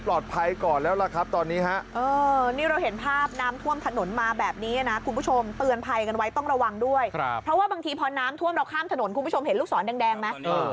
เพราะว่าบางทีพอน้ำท่วมเราข้ามถนนคุณผู้ชมเห็นลูกศรแดงมั้ย